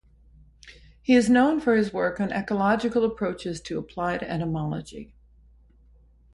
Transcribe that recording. He is known for his work on ecological approaches to applied entomology.